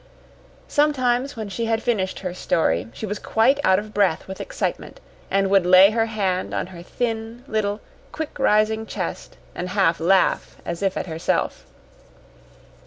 Sometimes when she had finished her story, she was quite out of breath with excitement, and would lay her hand on her thin, little, quick rising chest, and half laugh as if at herself.